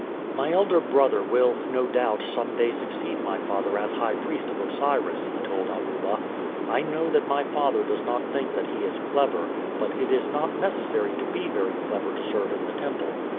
"My elder brother will, no doubt, some day succeed my father as high priest of Osiris," he told Amuba. "I know that my father does not think that he is clever, but it is not necessary to be very clever to serve in the temple.